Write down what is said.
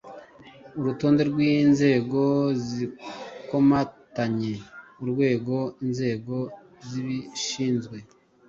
urutonde rw’inzego zikomatanye urwego inzego zibishinzwe